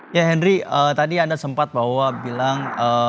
ya henry tadi anda sempat bahwa bilang